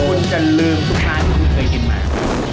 คุณจะลืมทุกท่านที่คุณเคยกินมา